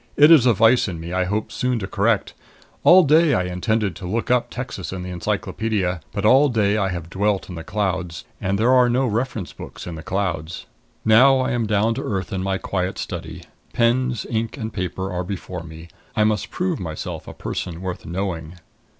It is a vice in me I hope soon to correct. All day I intended to look up Texas in the encyclopedia. But all day I have dwelt in the clouds. And there are no reference books in the clouds. Now I am down to earth in my quiet study. Pens, ink and paper are before me. I must prove myself a person worth knowing.